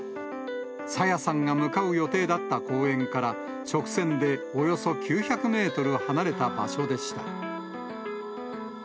朝芽さんが向かう予定だった公園から、直線でおよそ９００メートル離れた場所でした。